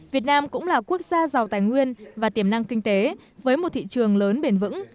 việt nam cũng là quốc gia giàu tài nguyên và tiềm năng kinh tế với một thị trường lớn bền vững